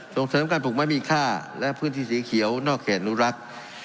ส่งเสริมการปลูกไม้มีค่าและพื้นที่สีเขียวนอกเขตอนุรักษ์